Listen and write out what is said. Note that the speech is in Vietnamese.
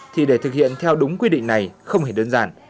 thì để thực hiện theo đúng quy định này không hề đơn giản